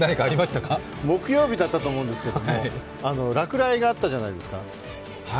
木曜日だったと思うんですけども、落雷があったじゃないですか。